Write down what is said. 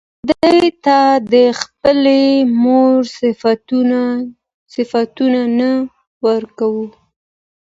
خداى ته د خپلې مور صفتونه نه ورکوو